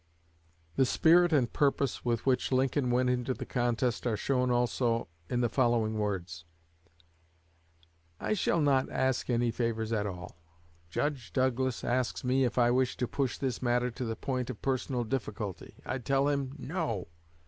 The spirit and purpose with which Lincoln went into the contest are shown also in the following words: "I shall not ask any favors at all. Judge Douglas asks me if I wish to push this matter to the point of personal difficulty. I tell him, _No!